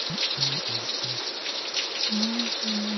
This is partly true of the Torlakian dialect.